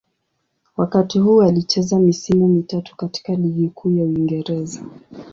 Wakati huu alicheza misimu mitatu katika Ligi Kuu ya Uingereza.